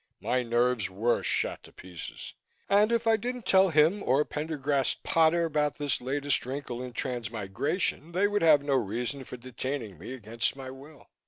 My nerves were shot to pieces and if I didn't tell him or Pendergast Potter about this latest wrinkle in transmigration they would have no reason for detaining me against my will.